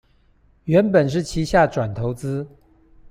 原本是旗下轉投資